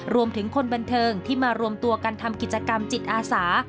รวมถึงคนบันเทิงที่มารวมตัวกันทำกิจกรรมจิตอาสา